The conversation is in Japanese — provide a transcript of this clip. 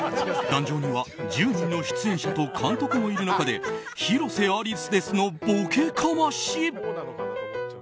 壇上には１０人の出演者と監督もいる中で「広瀬アリスです」のボケかまし。